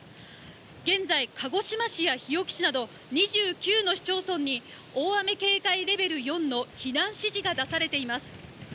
現在、鹿児島市や日置市など２９の市町村に、大雨警戒レベル４の避難指示が出されています。